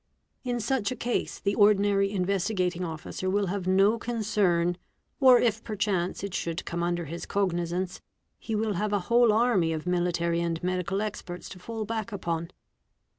In such a case the ordinary Investigating Officer will have no concern, or if perchance it should come under his cognizance, he will hate y a whole army of military and medical experts to fall back upon.